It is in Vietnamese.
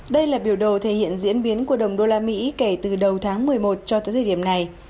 đây là biểu đồ thể hiện diễn biến của đồng đô la mỹ kể từ đầu tháng một mươi một cho tới thời điểm này